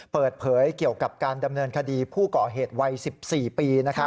เปิดเผยเกี่ยวกับการดำเนินคดีผู้ก่อเหตุวัย๑๔ปี